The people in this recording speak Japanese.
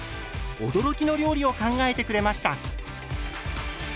驚きの料理を考えてくれました。